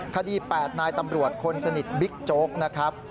๘นายตำรวจคนสนิทบิ๊กโจ๊กนะครับ